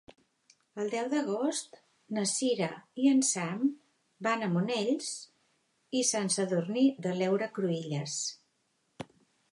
El deu d'agost na Cira i en Sam van a Monells i Sant Sadurní de l'Heura Cruïlles.